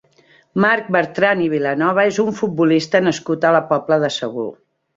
Marc Bertran i Vilanova és un futbolista nascut a la Pobla de Segur.